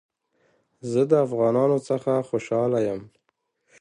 زه د افغانانو څخه خوشحاله يم